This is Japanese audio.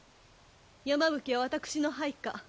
山吹は私の配下。